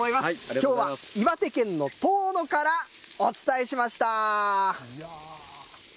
きょうは岩手県の遠野からお伝えしました。